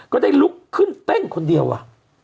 ได้ลุกขึ้นเต้นคนเดียวอ่ะ